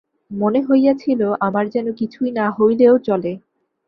মনে হইয়াছিল আমার যেন কিছুই না হইলেও চলে।